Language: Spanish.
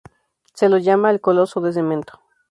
Se lo llama "El Coloso de Cemento".